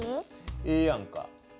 ええやんか。